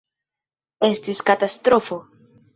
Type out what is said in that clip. Estis katastrofo.